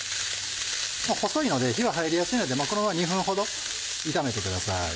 細いので火は入りやすいのでこのまま２分ほど炒めてください。